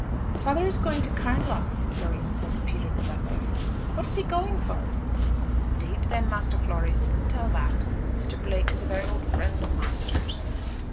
"Father is going to Carnlough," Florian said to Peter, the butler. "What is he going for?" "'Deed, then, Master Flory, who can tell that? Mr. Blake is a very old friend of master's."